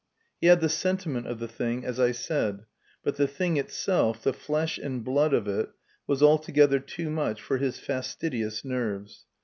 He had the sentiment of the thing, as I said, but the thing itself, the flesh and blood of it, was altogether too much for his fastidious nerves.